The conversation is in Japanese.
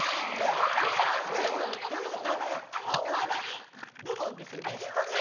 お笑い部門ですよね。